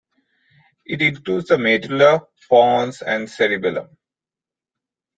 It includes the medulla, pons, and cerebellum.